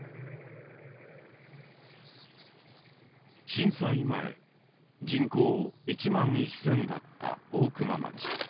震災前人口１万１，０００だった大熊町。